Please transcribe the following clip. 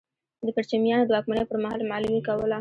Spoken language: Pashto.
د پرچمیانو د واکمنۍ پر مهال معلمي کوله.